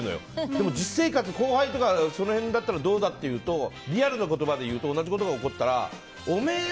でも実生活、後輩とかその辺だったらどうだっていうとリアルな言葉でいうと同じことが起こったらおめえよ！